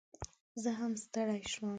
زه هم ستړي شوم